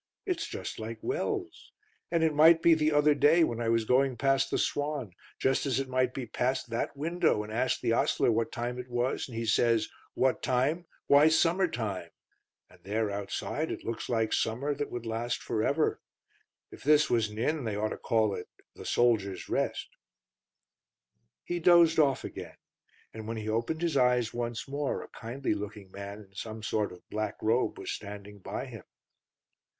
It's just like Wells. And it might be the other day when I was going past the Swan, just as it might be past that window, and asked the ostler what time it was, and he says, 'What time? Why, summer time'; and there outside it looks like summer that would last for ever. If this was an inn they ought to call it The Soldiers' Rest." He dozed off again, and when he opened his eyes once more a kindly looking man in some sort of black robe was standing by him.